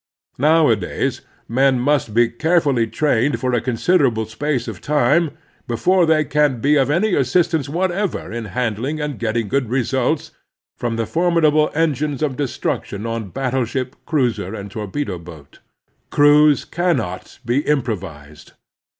Nowadays men must be carefiilly trained for a considerable space of time before they can be of any assistance whatever in handling and getting good results from the formidable engines of de struction on battleship, cruiser, and torpedo boat. Crews cannot be improvised.